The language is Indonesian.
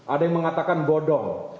ada yang mengatakan bodong